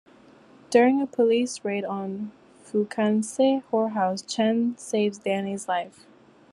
During a police raid on a Fukienese whorehouse, Chen saves Danny's life.